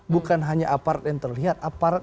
bukan hanya aparat yang terlihat aparat